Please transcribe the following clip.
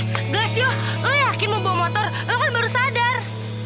eh lesyu lo yakin mau bawa motor lo kan baru sadar